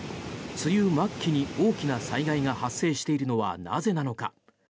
梅雨末期に大きな災害が発生しているのはなぜなのか。